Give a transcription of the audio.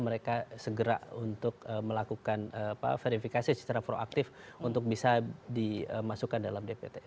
mereka segera untuk melakukan verifikasi secara proaktif untuk bisa dimasukkan dalam dpt